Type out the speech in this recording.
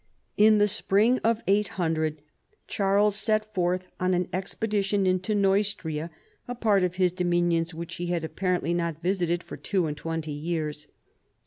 In the spring of 800, Charles set forth on an expedition into Neustria, a part of his dominions which he had a])parently not visited for two and twenty years.